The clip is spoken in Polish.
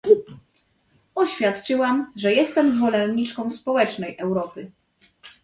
Oświadczyłam, że jestem zwolenniczką społecznej Europy